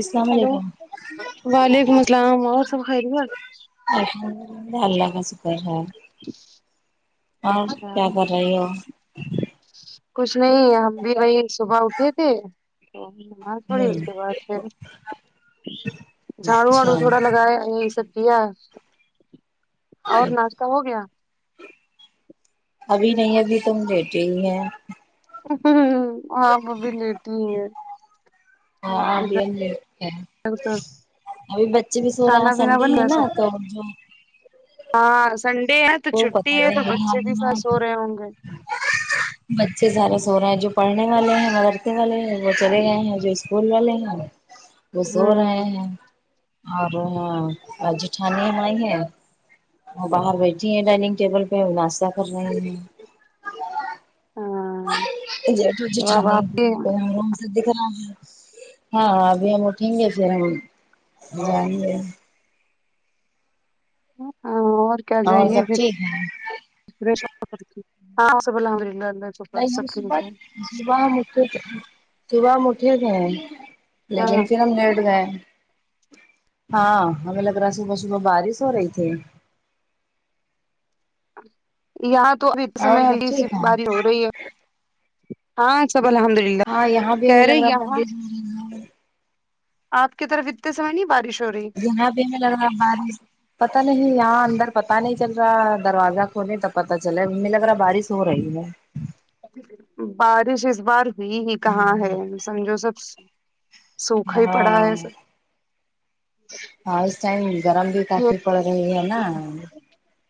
السلام ہیلو علیکم وعلیکم السلام اور سب خیریت الحمد اللہ اللہ کا شکر ہے اور کیا کر رہی ہو کچھ نہیں ہم بھی وہی صبح اٹھے تھے تو نماز پڑھی ہ اس کے بعد پھر جھاڑو اچھا وآڑو تھوڑا لگایا یہی سب کیا اور ناشتہ ہو گیا ابھی نہیں ابھی تو ہم لیٹے ہی ہیں ہاں وہ بھی لیٹی ہی ہیں ہاں ابھی ہم لی ٹے تو ابھی بچے بھی سو رہے ہیں کھانا آج پینا سنڈے بن ہے گیا نا سب تو جو ہاں سنڈے ہے تو وہ چھٹی پتا ہے تو نہیں بچے بھی ساتھ سو ہے رہے ہوں گے بچے سارے سو رہے ہیں جو پڑھنے والے ہیں مگر والے ہیں وہ چلے گئے ہیں جو اسکول والے ہیں وہ سو ہمم رہے ہیں اب ہاں ا جٹھانی آئی ہے وہ باہر بیٹھ ی ہیں ڈائنگ ٹیبل پہ وہ ناشتہ کر رہے ہیں ہاں جیٹ اور تو اب چٹھانی آپ بھی بنگلور سے تو دکھرا ہے ہاں ابھی ہم اٹھیں گے پھر ہم جائیں گے ہاں اور کیا جائیے سب پھر ٹھیک ہے [unintelligible] ہاں سب الحمد اللہ اللہ شکر نہیں ہم سب صبح ٹھیک ہے صبح ہم اٹھے تھے صبح ہم اٹھے تھے لیکن ہاں پھر ہم لیٹ گئے ہاں ہمیں لگ رہا ہے صبح صبح بارش ہو رہی تھی یہاں تو ابھی اس سمے اور سب ہلکی سی ٹھیک ہے بارش ہو رہی ہے ہاں سب الحمد للہ ہاں یہاں بھی ہمیں کہہ رہے لگ رہا یہاں بارش ہو رہی آپ کی طرف اتتے سمئے نہیں بارش ہو رہی یہاں بھی نہیں لگ رہا بارش پتا نہیں یہاں اندر پتا نہیں چل رہا دروازہ کھولے تب پتا چلے ہمیں لگرا بارش ہو رہی ہے بارش اس بار ہوئی ہی کہاں ہے سمجھو سب س وکھا ہی پڑا ہے ہاں سب ہاں اس ٹائم گرم بھی یہ کافی پڑ رہی ہے نا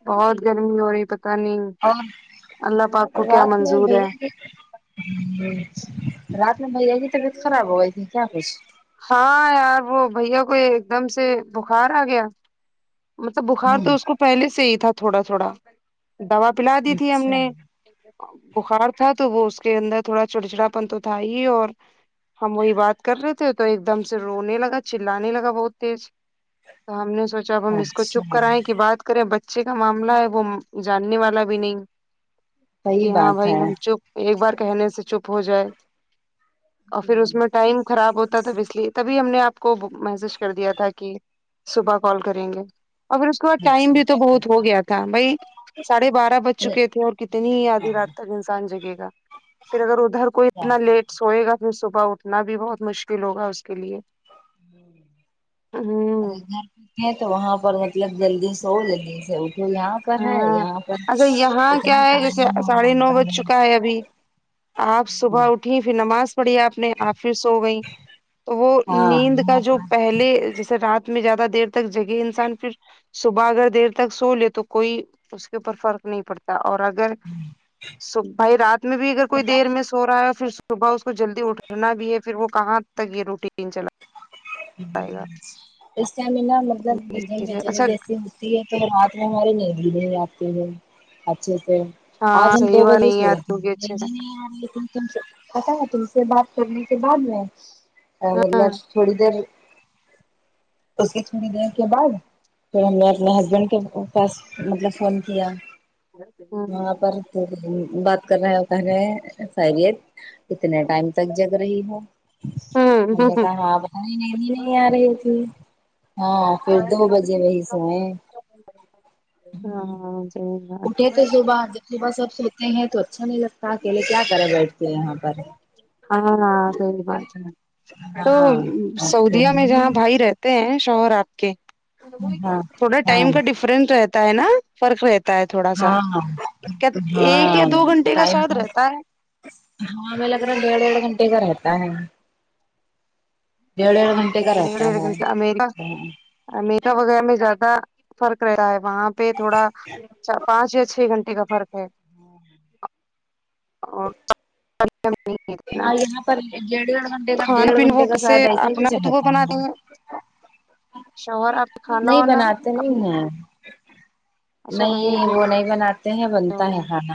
بہت گرمی ہو رہی پتا نہیں اور اللہ پاک کو کیا منظور ہے ہوں رات میں بھیا کی طبیعت خراب ہو گئی تھی کیا کچھ ہاں یار وہ بھیا کو ایک دم سے بخار آ گیا مطلب بخار ہوں تو اس کو پہلے سے ہی تھا تھوڑا تھوڑا دوا پلا دی تھی ہم اچھا نے بخار تھا تو وہ اس کے اندر تھوڑا چڑچڑا پن تو تھا ہی اور ہم وہی بات کر رہے تھے تو ایک دم سے رونے لگا چانے لگا بہت تیز تو ہم نے سوچا ہم اس کو چپ اچھا کرائیں کہ بات کریں بچے کا معاملہ ہے وہ جاننے والا بھی نہیں کہ صحیح ہاں بات بھائی ہے ہم چپ ایک بار کہنے سے چپ ہو جائے اور پھر اس میں ہوں ٹائم خراب ہوتا تھاب اس لیے تبھی ہم نے آپ کو محسج کر دیا تھا کہ صبح کال کریں گے اور پھر اس کے بعد ٹائم اچھا بھی تو بہت اچھا ہو گیا تھا بھائی ساڑھے بارہ بج چکے تھے اور کتنی آدھی رات تک انسان جگے گا پھر اگر ادھر کوئی اتنا لیٹ سوئے گا پھر صبح اٹھنا بھی بہت مشکل ہوگا اس کے لیے ہوں اچھا جا ہے تو وہاں پر مطلب جلدی سو جلدی سے اٹھو یہاں پر ہے ہاں یہاں پر اچھا یہاں اتنا کیا ہے جیسے ٹائم ہوا ساڑھے نو تا بج ہے چکا ابھی آپ صبح اٹھی پھر نماز پڑھی آپ نے آپ پھر سو گئی تو وہ ہاں نیند کا یہاں جو پر پہلے جیسے رات میں زیادہ دیر تک جگے انسان پھر صبح اگر دیر تک سو لے تو کوئی اس کے اوپر فرق نہیں پڑتا اور اگر صبح رات میں بھی اگر کوئی دیر میں سو رہا ہے پھر صبح اس کو جلدی اٹھنا بھی ہے پھر وہ کہاں تک یہ روٹی ہوں اسٹمینا مطلب اس چیز بنگ ہے۔ چل اچھا جیسے تو رات میں ہماری نیند ہی نہیں آتی ہے اچھے سے ہاں آج ہم صحیح دو بات بجے نہیں سوئے آتی تھے ہوگی اچھے نیند سے ہی نہیں ارہی ٹھی تم سے پتا ہے تم سے بات کرنے کے بعد میں ہاں مطلب تھوڑی دیر اس کی تھوڑی دیر کے بعد پھر ہم نے اپنے ہسبینڈ کے پاس مطلب فون کیا ہوں وہاں پر بات کر رہے ہیں کہہ رہے ہیں خیریت اتنے ٹائم تک جگ رہی ہو ہم ہوں نے کہا ہاں بھائی نیند ہی نہیں آ رہی تھی ہاں پھر دو بجے وہی سوئے ہاں صحیح بات اٹھے تھے صبح جب صبح سب سوتے ہیں تو اچھا نہیں لگتا اکیلے کیا کریں بیٹھتے ہیں یہاں پر [inaudible] ہاں ہاں صحیح بات ہے تو ہاں اوکے سعودیہ ہم میں بھی جہاں بھائی ر ہتے ہیں شوہر آپ کے ہاں تھوا ہاں ٹائم کا ڈ فرنٹ رہتا ہے نا فرق رہ تا ہے تھوڑا سا ہاں کیا ایک یا ہاں دو گھنٹے کا ٹائم شاید رہتا ہے ہاں ہمیں لگ رہا ڈیڑھ ڈیڑھ گھنٹے کا رہتا ہے ڈیڑھ ڈیڑھ ہے گھنٹے کا رہتا ہاں امریکہ وغیرہ میں زیادہ فرق رہتا ہے وہاں پہ تھوڑا چ پانچ یا چھ گھنٹے کا فرق ہے اور اتنا ہاں یہاں پر ڈیڑھ ڈڑھ گھنٹے کا کھانا ڈیڑھ پینا وہ گھنٹے کا کیسے شاید ایسے اپنا کچھ خطبہ رہتا بنا دیںے ہے شوہر آپ کے کھانا نہیں وانا بناتے نہیں اپنی ہیں اچھا وہیں نہیں پہ وہ نہیں بناتے ہیں بنتا ہے ہوا کھانا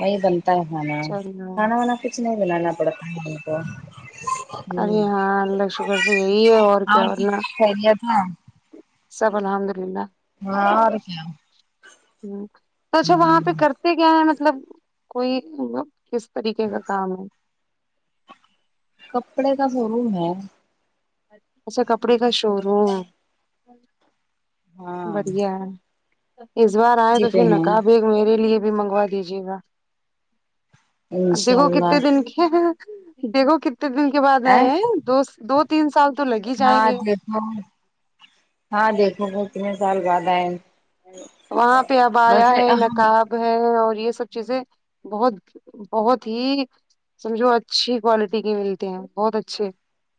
وہی بنتا ہے کھانا چلو کھانا وانا کچھ نہیں بنانا پڑتا ہے انہیں تو ارے ہاں اللہ شکر سے یہی اور کیا اور نہ خیریت ہے سب الحمد للہ ہاں اور کیا ہاں تو اچھا وہاں پہ ہوں کر سے کیا ہے مطلب کوئی مطلب کس طریقے کا کام ہے کپڑے کا شو روم ہے اچھا کپڑے کا شو روم ہاں بڑھیا ہے اس بار آئے تو اسی پہ پھر ہیں نقاب میرے لیے بھی منگوا دیجیے گا اب انشاء دیکھو کتنے اللہ دن کی دیکھو کتنے دن کے بعد ا آئے ہیں دو س دو تین سال تو لگے ہاں دیکھو ہاں دیکھو وہ کتنے سال بعد آئیں وہاں پہ اب آیا ہے نقاب بہے اور یہ سب چیزیں بہت بہت ہی سمجھو اچھی کولٹی کے ملتے ہیں بہت اچھے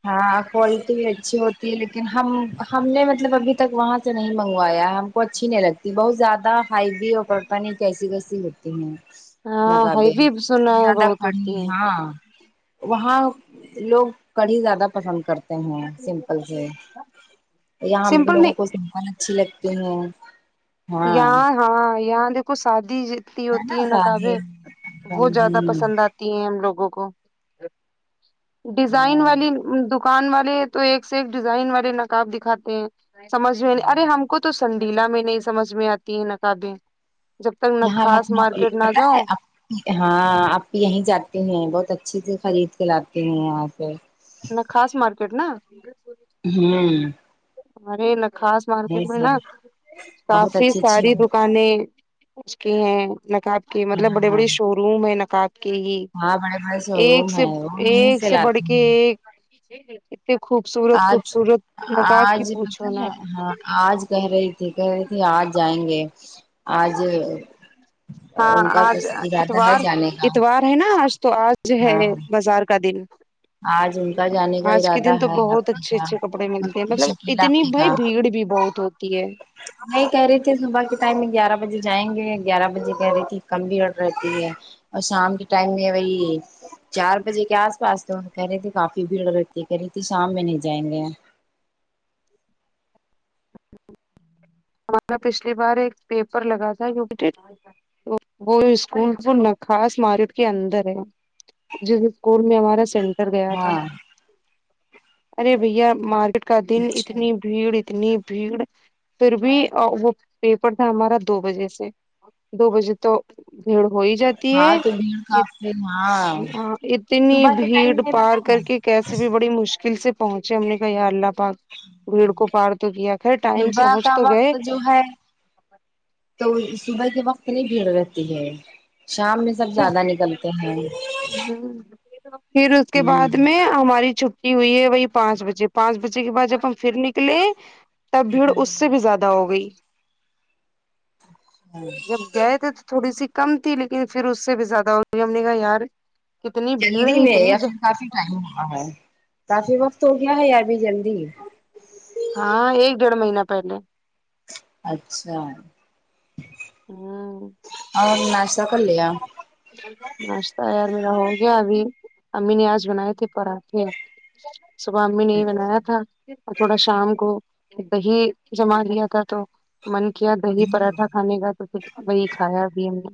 ہاں کولٹی اچھی ہوتی ہے لیکن ہم ہم نے مطلب ابھی تک وہاں سے نہیں منگوایا ہم کو اچھی نہیں لگتی بہت زیادہ ہائی بھی اور پتہ کیسی کیسی ہوتی ہیں ہاں ہائی نقابیں بھی سنا ہے زیادہ بہت کوں ہوتی ہاں وہاں لوگ کڑھی زیادہ پسند کر ہیں ہے سمپل سے یہاں ہم سمپل لوگوں کو نہیں سمپل اچھی لگتی ہیں ہاں یاں ہاں یہاں دیکھو سادی سی تی ہوتی نا ہے سادے نقابیں وہ زیادہ رنگین پسند آ تی ہیں ہم لوگوں کو ڈیزائن ہاں والی دک ان والے تو ایک سے ایک ڈیزائن والے نقاب دکھاتے ہیں سمجھ میں نہیں ہاں ارے ہم کو تو سنڈیلا میں نہیں سمجھ میں آتی ہے نقابیں جب تک یہاں ناکخاص لکھنؤ مارکیٹ نہ پتہ ہے جاؤ آپ ہاں آپی یہیں جاتے ہیں بہت اچھے سے خرید کے لاتے ہیں یہاں سے ناکخاص مارکٹ ن ہوں ارے خاص مارکیٹ میں جی نا بہت کافی اچھی اچھی ساری دکانیں اس کے ہیں نقاب کی مطلب بڑے ہاں بڑے شو روم ہیں نقاب کہ ہی ہاں بڑے بڑے شو ایک روم سے ہے وہ یہیں ایک سے بڑھ لاتے کے ہیں ایک اتنے خوبصورت آج خوبصورت نقاب کی آج پتا پوچھو ہے نا ہاں آج کہہ رہی تھی کہہ رہی تھی آج جائیں گے آج ہاں ان کا آج ارادہ ہے اتوار جانے کا اتوار ہے نا آج تو آج ہے ہاں بازار کا دن آج ان کا جانے کا آج کے ارادہ دن تو ہے بہت آپی اچھے اچھے کپڑے ملتے ہیں کا مطلب شکیلا اتنی آپی بھائی کا بھیڑ بھی بہت ہوتی ہے نہیں کہہ رہی تھی صبح کے ٹائم میں گیارہ بجے جائیں گے گیارہ بجے کہہ رہی تھی کم بھیڑ رہتی ہے اور شام کے ٹائم میں وہی چار بجے کے آس پاس تو کہہ رہے تھے کافی بھیڑ رہتی کر رہی تھی شام میں نہیں جائیں گے ہمارا پچھلی بار ایک پیپر لگا تھا جو تو وہ اسکول ناکخاص مارٹ کے اندر ہے جس اسکول میں ہمارا سینٹر گیا تھا ہاں ارے بھیا ماریٹ کا دن اچھا اتنی بھیڑ اتنی بھیڑ پھر بھی وہ پیپر تھا ہمارا دو بجے سے دو بجے تو بھیڑ ہو ہی جاتی ہے ہاں تو بھیڑ کافی ہاں اتنی صبح بھیڑ پار کر کے [unintelligible] کیسے بھی بڑی مشکل سے پہنچے ہم نے کہ یا اللہ پاک بھیڑ کو پار تو کیا خیر ٹائم سے دبح پہنچ کا تو وقت گئے جو ہے تو صبح کے وقت نہیں بھیڑ رہتی ہے شام میں سب زیادہ نکلتے ہیں ہمم پھر اس کے ہ بعد میں ہماری چ ہوئی ہے وہی پانچ بجے پانچ بجے کے بعد جب ہم پھر نکلے تب بھیڑ اس سے بھی زیادہ ہو گئی جب گئے تھے تو تھوڑی سی کم تھی لی کن پھر اس سے بھی زیادہ و ہم نے کہا یار کتنی بھیڑ جلدی ہے میں اتنی یا ج پھر کافی ٹائم ہوا ہے کافی وقت ہو گیا ہے یا ابھی جلدی ہاں ایک ڈیڑھ مہینہ پہلے اچھا ہ اور ناشتہ کر لیا ناشتہ یار میرا ہو گیا ابھی امی نے آج بنائے تھے پراٹھے صبح امی نے یہ بنایا تھا اور تھوڑا شام کو دہی جما لیا تھا تو من کیا دہی پراٹھا کھانے کا تو پھر وہی کھایا ابھی ہم نے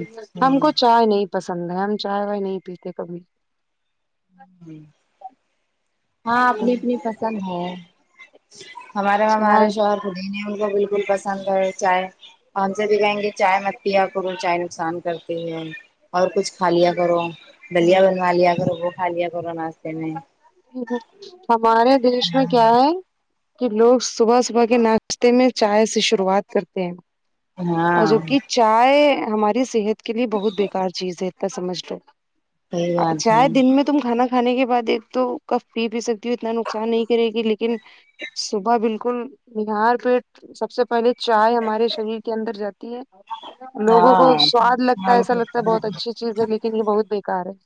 اچھا ہم کو چائے نہیں پسند ہے ہم چائے وائے نہیں پیتے کبھی ہمم ہاں اپنی اپنی پسند ہے ہمارے ہمارے چائے شوہر خود ہی نے ان کو بالکل پسند ہے چائے اور ان سے بھی کہیں گے چائے مت پیا کروں چائے نقصان کرتی ہے اور کچھ کھا لیا کرو دلیا بنوا لیا کرو وہ کھا لیا کرو ناشتے میں ہمارے دیش میں کیا ہے کہ لوگ صبح صبح کے ناشتے میں چائے سے شروعات کرتے ہیں اور ہاں جوکہ چائے ہماری صحت کے لیے بہت بیکار چیز ہے اتنا سمجھ لو صحیح بات ہے چاے دن میں تم کھانا کھانے کے بعد ایک تو کف پی بھی سکتی ہو اتنا نقصان نہیں کرے گی لیکن صبح بالکل نہار پیٹ سب سے پہلے چائے ہمارے شریر کے اندر جاتی ہے لوگوں ہاں کو سواد لگتا ہے ایسا لگتا ہے بہت اچھی چیز ہے لیکن یہ بہت بیکار ہے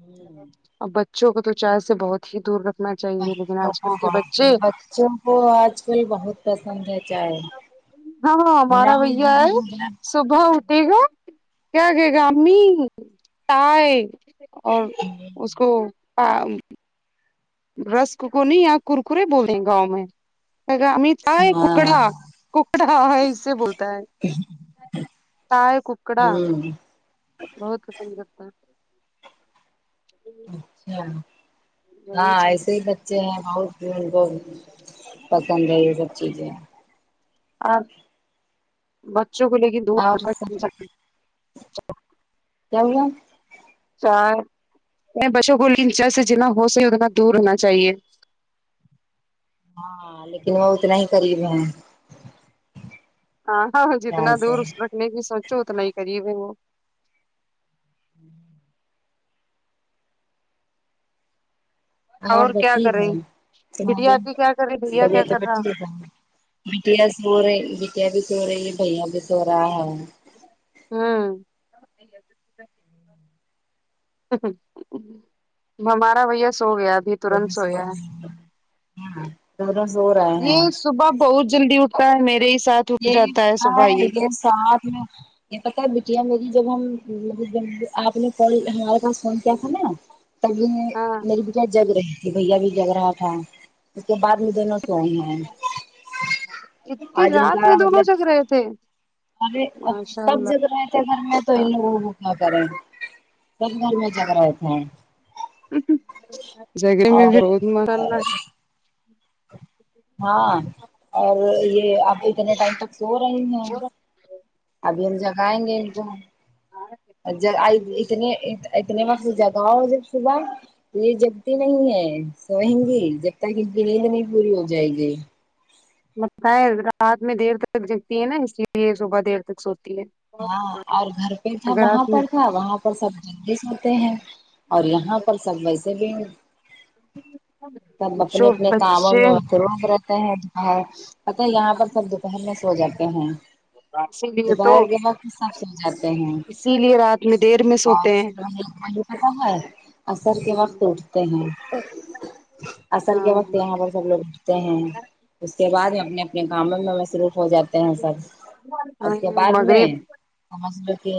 ہوں اب بچوں کو تو چائے سے بہت ہی دور رکھ بوں کو [unintelligible] ب بچوں کو آج کل بہت پسند ہے چاہے ہاں ہمارا بھیا ہے صبح اٹھے گا کیا کہے گا امی تائے اور اس کو [unintelligible] رسک کو کونی یا کرکرے بولیں گاؤں میں امی چائے ہاں ککڑا ککڑا ہے اس سے بولتا ہے تائے ککڑا ہوں بہت پسند کرتا اچھا ہے یہی ہاں چیز ایسے ہے ہی بچے ہیں بھائی ہم کو پسند ہے یہ سب چیزیں اور بچوں کو لیکن دور اور رکھا سب کیجیے کیایا چائے میں بچوں کو لچر سے جتنا ہو سکے اتنا دور ہونا چاہیے ہاں لیکن وہ اتنا ہی قریب ہے ہاں ہاں جتنا خیال سے دور رکھنے کی سوچو اتنا ہی قریب ہے وہ ہمم ہاں [unintelligible] اور بٹ کیا کر ہے رہی بٹیا تمہاری آتی کیا کر رہی بھیا کیا طبیعت کر وبیعت رہا ٹھیک ہے بیٹیا سو رہے بیٹیا بھی سو رہی بھیا بھی سو رہا ہے ہاں ہمارا بھیا سو گیا ابھی ترنت دونوں سو سویا رہے ہے ہاں دونوں سو رہے ہے یہ صبح بہت جلدی اٹتا ہے میرے ہی ساتھ اٹھ یہی جاتا پتا صبح ہے یہ ہی کے ساتھ میں یہ پتا بیٹیا میری جب ہم آپ نے کال ہمارے پاس فون کیا تھا نا تبہی ہاں میری بیٹیا جگ رہی تھی بھیا بھی جگ رہا تھا اس کے بعد میں دونوں سوے ہے اتی آج ان رات کا میں دونوں مطلب جگ رہے تھے ارے ماشاء سب اللہ جگ رہے تھے گھر میں تو ان لوگوں کو کیا کریں سب گھر میں جگ رہے تھے جگہ میں اور بھی بہت مزلہ [unintelligible] ہے ہاں اور یہ اب اتنے ٹائم تک سو رہی ہیں ابھی ہم جگائیں گے ان کو جا ہے اتنے اتنے وقت جگاؤ جب صبح یہ جگتی نہیں ہے سوئیں گے جب تک ان کی نیند نہیں پوری ہو جائے گی لگتا ہے رات میں دیر تک جگتی ہے نا اس لیے صبح دیر تک سوتی ہے ہاں اور گھر پہ تھا اگر وہاں رات میں پر تھا وہاں پر سب جلدی سوتے ہیں اور یہاں پر سب ویسے بھی سب اپنے بچوں اپنے کاموں بچے میں متروب رہتے ہے پتا ہے یہاں پر سب دوپہر میں سو جاتے ہیں اسی لیے تو دوپہر کے وقت سب سو جاتے ہیں اسی لیے رات میں دیر میں سوتے ہیں اور [unintelligible] [unintelligible] عصر کے وقت اوٹتے ہیں عصر کے وقت ہاں یہاں پر سب لوگ اوٹتے ہیں اس کے بعد میں اپنے اپنے کاموں میں مصروف ہو جاتے ہیں سب ہاں، اس کے بعد میں مغرب نماز کا ٹیم